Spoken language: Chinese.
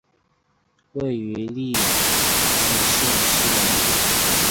位于利津县西南部。